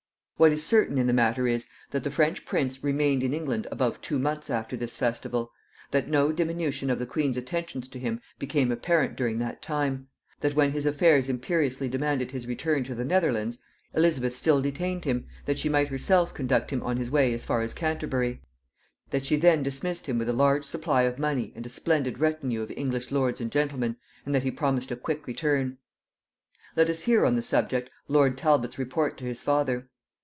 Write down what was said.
What is certain in the matter is, that the French prince remained in England above two months after this festival; that no diminution of the queen's attentions to him became apparent during that time; that when his affairs imperiously demanded his return to the Netherlands, Elizabeth still detained him that she might herself conduct him on his way as far as Canterbury; that she then dismissed him with a large supply of money and a splendid retinue of English lords and gentlemen, and that he promised a quick return. Let us hear on the subject lord Talbot's report to his father.